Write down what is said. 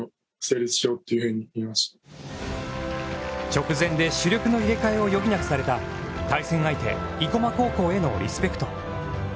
直前で主力の入れかえを余儀なくされた対戦相手、生駒高校へのリスペクト。